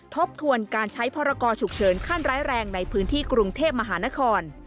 ทบทวนการใช้พรกรฉุกเฉินขั้นร้ายแรงในพื้นที่กรุงเทพมหานคร